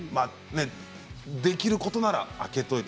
できることなら開けておいて。